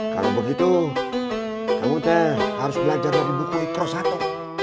kalau begitu kamu udah harus belajar dari buku ikhlas atau